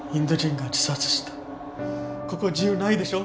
ここ自由ないでしょ？